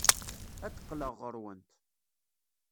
Ad d-qqleɣ ɣer-went.